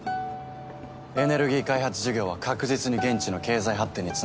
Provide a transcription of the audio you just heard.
エネルギー開発事業は確実に現地の経済発